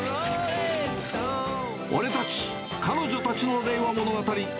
俺たち、彼女たちの令和物語。